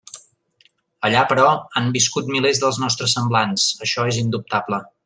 Allà, però, han viscut milers dels nostres semblants; això és indubtable.